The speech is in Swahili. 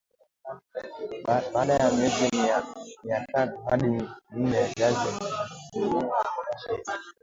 Baada ya miezi mitatu hadi minne viazi hhunwa toka shambani